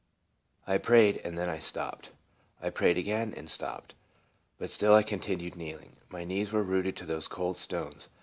I prayed, and then I stopped; I prayed again, and stopped; but still I continued kneeling. My knees were rooted to those cold stones.